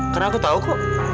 karena aku tahu kok